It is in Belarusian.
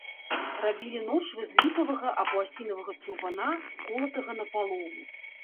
Рабілі ночвы з ліпавага або асінавага цурбана, колатага напалову.